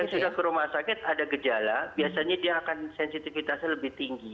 kalau sudah ke rumah sakit ada gejala biasanya dia akan sensitivitasnya lebih tinggi